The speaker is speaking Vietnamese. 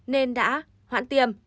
nên đã hoãn tiêm